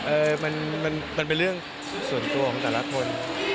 เออมันเป็นเรื่องส่วนตัวของแต่ละคน